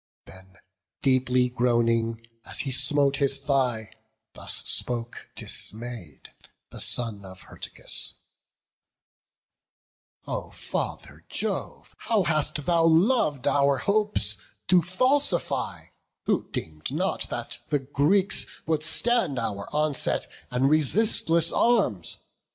Then deeply groaning, as he smote his thigh Thus spoke dismay'd the son of Hyrtacus: "O Father Jove, how hast thou lov'd our hopes To falsify, who deem'd not that the Greeks Would stand our onset, and resistless arms!